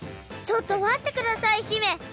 ちょっとまってください姫！